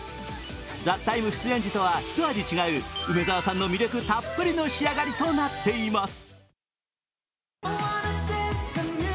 「ＴＨＥＴＩＭＥ，」出演時とはひと味違う梅澤さんの魅力たっぷりの仕上がりとなっています。